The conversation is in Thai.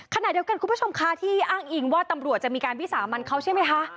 ขณะเดียวกันคุณผู้ชมคะที่อ้างอิงว่าตำรวจจะมีการวิสามันเขาใช่ไหมคะ